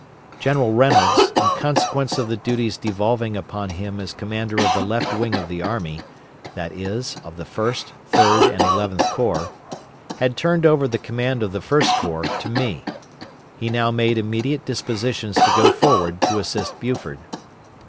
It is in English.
General Reynolds, in consequence of the duties devolving upon him as commander of the Left Wing of the army, that is of the First, Third, and Eleventh Corps, had turned over the command of the First Corps to me. He now made immediate dispositions to go forward to assist Buford.